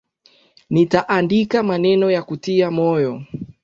Nitaandika maneno ya kutia moyo